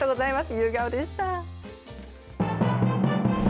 夕顔でした。